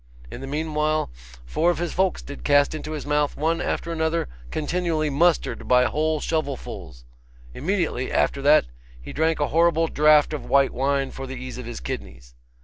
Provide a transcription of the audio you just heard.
In the meanwhile, four of his folks did cast into his mouth one after another continually mustard by whole shovelfuls. Immediately after that, he drank a horrible draught of white wine for the ease of his kidneys.